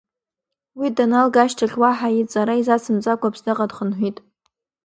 Уи даналга ашьҭахь уаҳа иҵара изацымҵакәа Аԥсныҟа дхынҳәит.